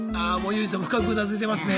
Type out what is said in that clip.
ユージさんも深くうなずいてますね。